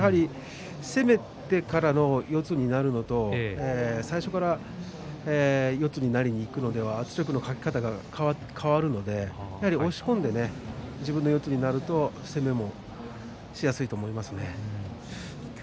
攻めてからの四つになるのと最初から四つになりにいくのでは圧力のかけ方が変わるので押し込んで自分の四つになると攻めもしやすいと思います。